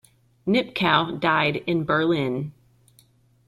Nipkow died in Berlin.